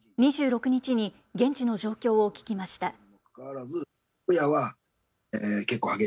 ２６日に現地の状況を聞きました。